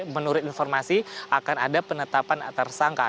menurut informasi akan ada penetapan tersangka